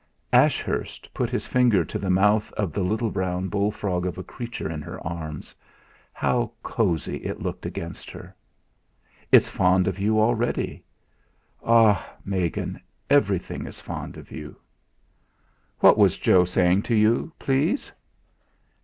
Ashurst put his finger to the mouth of the little brown bullfrog of a creature in her arms. How cosy it looked against her! "It's fond of you already. Ah I Megan, everything is fond of you." "What was Joe saying to you, please?"